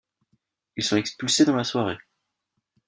Ils sont expulsés dans la soirée.